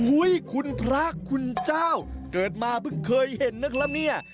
คุณพระคุณเจ้าเกิดมาเพิ่งเคยเห็นนึกแล้วเนี่ย